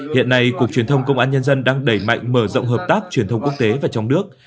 hiện nay cục truyền thông công an nhân dân đang đẩy mạnh mở rộng hợp tác truyền thông quốc tế và trong nước